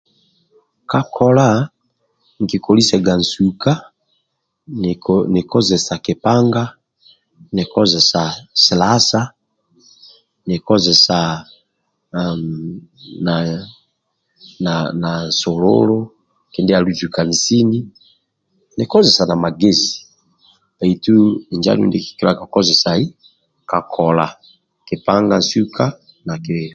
Ka kola ekikolisaga nsuka nikozesa kipaga nikozesa silasa nikozesa na na na na nsululu kidia luzukani sini namagezi